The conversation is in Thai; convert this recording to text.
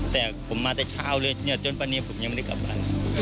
แต่ผมมาแต่เช้าเลยจนปรับเนียมผมยังไม่ได้กลับไป